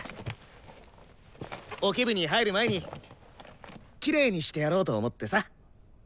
オケ部に入る前にきれいにしてやろうと思ってさ。